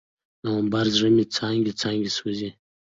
نومبره، زړه مې څانګې، څانګې سوزي